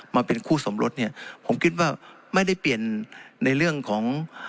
มาเป็นคู่สมรสเนี่ยผมคิดว่าไม่ได้เปลี่ยนในเรื่องของ